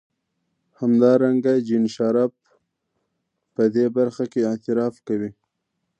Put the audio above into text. همدارنګه جین شارپ په دې برخه کې اعتراف کوي.